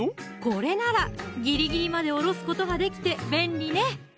これならギリギリまでおろすことができて便利ね